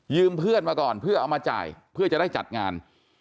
เพื่อนมาก่อนเพื่อเอามาจ่ายเพื่อจะได้จัดงาน